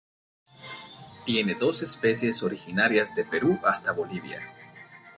Tiene dos especies originarias de Perú hasta Bolivia.